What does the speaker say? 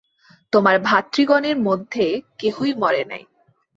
তোমার ভ্রাতৃগণের মধ্যে কেহই মরে নাই।